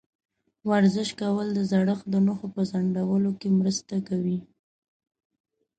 ورزش کول د زړښت د نښو په ځنډولو کې مرسته کوي.